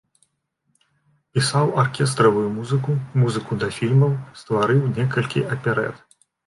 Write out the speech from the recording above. Пісаў аркестравую музыку, музыку да фільмаў, стварыў некалькі аперэт.